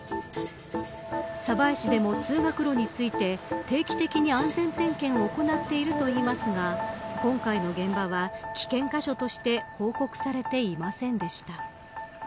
鯖江市でも通学路について定期的に安全点検を行っているといいますが今回の現場は、危険箇所として報告されていませんでした。